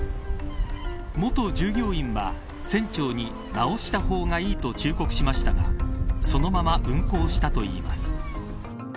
元従業員は船長に、直した方がいいと忠告しましたがそのまま運航したといいます。